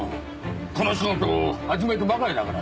この仕事始めたばかりだからねぇ。